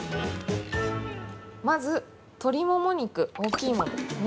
◆まず、鶏もも肉大きいものですね